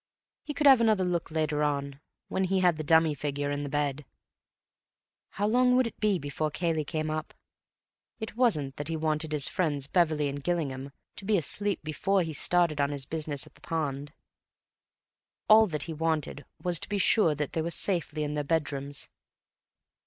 He could have another look later on, when he had the dummy figure in the bed. How long would it be before Cayley came up? It wasn't that he wanted his friends, Beverley and Gillingham, to be asleep before he started on his business at the pond; all that he wanted was to be sure that they were safely in their bedrooms.